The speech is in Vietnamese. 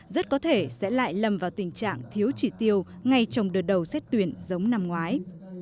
rất có thể sẽ lại lâm vào tình trạng thiếu chỉ tiêu ngay trong đợt đầu xét tuyển giống năm ngoái